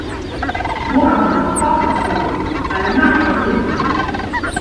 Вораг нам пакасці робіць, але наша возьме!